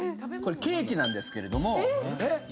これケーキなんですけれども。